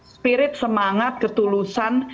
spirit semangat ketulusan